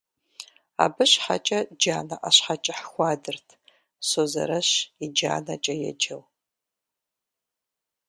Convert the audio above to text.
Абы щхьэкӏэ джанэ ӏэщхьэкӏыхь хуадырт, «Созэрэщ и джанэкӏэ» еджэу .